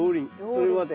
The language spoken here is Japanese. それはね